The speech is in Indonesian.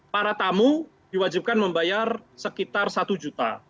para tamu diwajibkan membayar sekitar satu juta